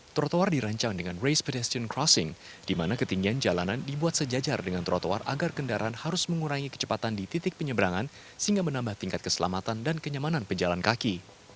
trotoar dirancang dengan race pedestrian crossing di mana ketinggian jalanan dibuat sejajar dengan trotoar agar kendaraan harus mengurangi kecepatan di titik penyeberangan sehingga menambah tingkat keselamatan dan kenyamanan pejalan kaki